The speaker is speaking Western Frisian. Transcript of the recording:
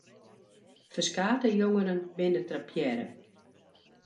Ferskate jongeren binne trappearre.